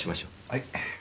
はい。